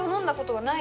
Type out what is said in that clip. はい。